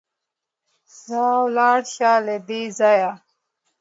ځه ولاړ شه له دې ځايه!